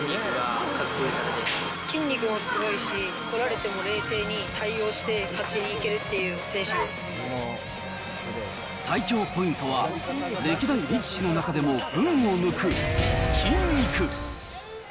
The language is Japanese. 筋肉もすごいし、取られても冷静に対応して、最強ポイントは、歴代力士の中でも群を抜く筋肉。